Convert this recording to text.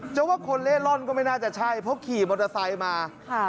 จะว่าคนเล่ร่อนก็ไม่น่าจะใช่เพราะขี่มอเตอร์ไซค์มา